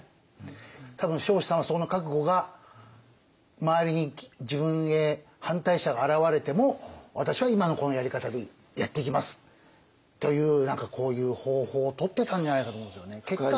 多分彰子さんはその覚悟が周りに自分へ反対者が現れても私は今のこのやり方でやっていきますという何かこういう方法をとってたんじゃないかと思うんですよね。